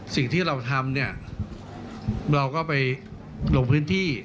สิ่งที่เราทำเนี่ยเราก็ไปลงพื้นที่